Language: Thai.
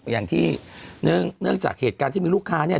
อย่างที่เนื่องจากเหตุการณ์ที่มีลูกค้าเนี่ย